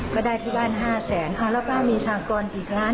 ก็ได้ที่บ้าน๕แสนแล้วป้ามีสากรอีกล้าน